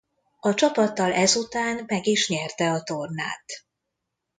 A csapattal ezután meg is nyerte a tornát.